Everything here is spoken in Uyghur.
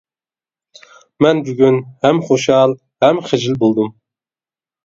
مەن بۈگۈن ھەم خۇشال ھەم خىجىل بولدۇم.